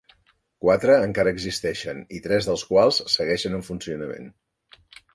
Quatre encara existeixen i tres dels quals segueixen en funcionament.